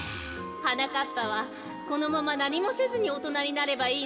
はなかっぱはこのままなにもせずにおとなになればいいのよ。